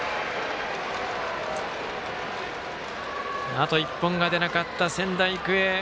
あと１本が出なかった、仙台育英。